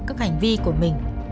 các hành vi của mình